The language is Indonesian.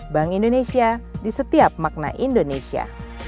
bank indonesia di setiap makna indonesia